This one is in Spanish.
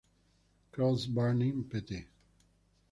Cross Burning, Pt.